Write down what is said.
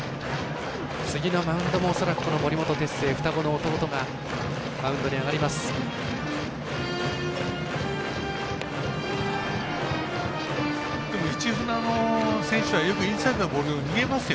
次のマウンドも恐らく森本哲星双子の弟がマウンドに上がります。